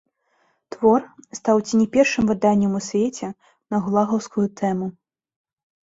Твор стаў ці не першым выданнем у свеце на гулагаўскую тэму.